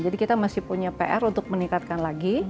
jadi kita masih punya pr untuk meningkatkan lagi